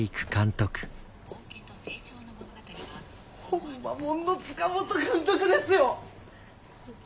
ホンマもんの塚本監督ですよ！